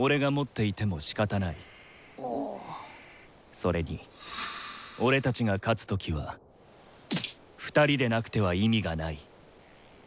それにオレたちが勝つ時は２人でなくては意味がない。